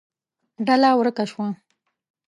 ډله ورکه شوه.